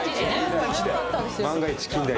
「万が一」で！